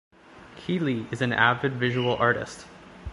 Keely is an avid visual artist.